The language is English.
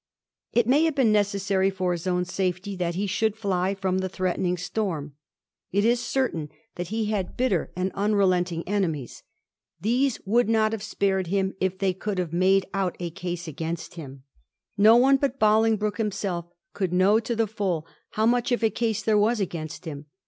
It may have been necessary for his own safety that he should fly from the threatening storm. It is certain that he had bitter and unrelent Digiti zed by Google 1715 THE COMMITTEE OF SECRECY. 13T ing enemies. These would not have spared him if they could have made out a ease against hun. No one but Bolingbroke himself could know to the full how much of a case there was against him.